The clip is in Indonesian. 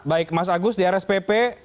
baik mas agus di rspp